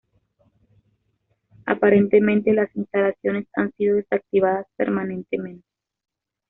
Aparentemente las instalaciones han sido desactivadas permanentemente.